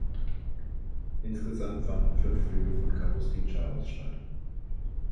Insgesamt fanden fünf Flüge von Kapustin Jar aus statt.